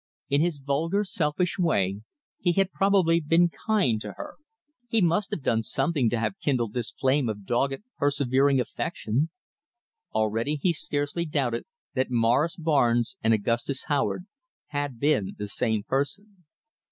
In his vulgar, selfish way, he had probably been kind to her: he must have done something to have kindled this flame of dogged, persevering affection. Already he scarcely doubted that Morris Barnes and Augustus Howard had been the same person.